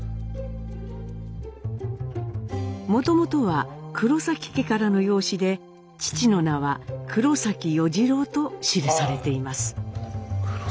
もともとは黒家からの養子で父の名は黒与次郎と記されています。